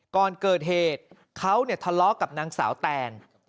ก่อนเกิดเหตุเขาทะเลาะกับนางสาวแตน